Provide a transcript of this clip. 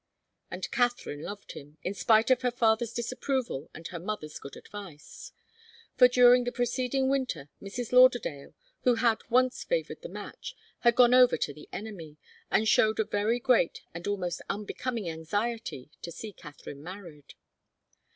And Katharine loved him, in spite of her father's disapproval and her mother's good advice. For during the preceding winter Mrs. Lauderdale, who had once favoured the match, had gone over to the enemy, and showed a very great and almost unbecoming anxiety to see Katharine married.